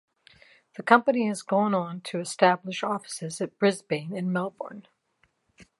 The company has since gone on to establish offices at Brisbane and Melbourne.